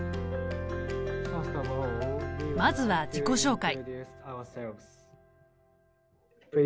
まずは自己紹介。